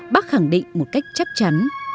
bác khẳng định một cách chắc chắn